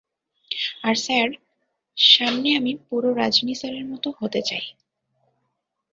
আর sir, সামনে আমি পুরো রাজনি স্যারের মতো হতে চাই!